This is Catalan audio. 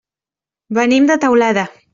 Venim de Teulada.